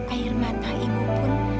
air mata ibu pun